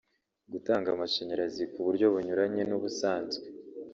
gatanga amashanyarazi ku buryo bunyuranye n’ubusanzwe